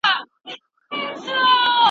دا د زړه ورو مورچل مه ورانوی